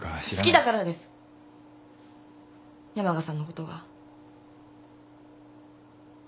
好きだからです山賀さんのことが。